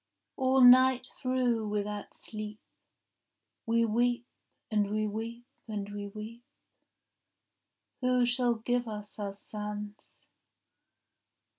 — All night through without sleep We weep, and we weep, and we weep. Who shall give us our sons?